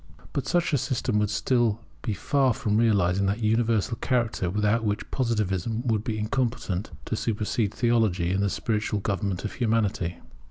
But such a system would still be far from realizing that universal character without which Positivism would be incompetent to supersede Theology in the spiritual government of Humanity.